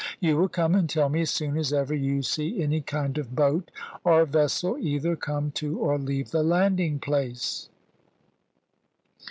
You will come and tell me as soon as ever you see any kind of boat or vessel either come to or leave the landing place.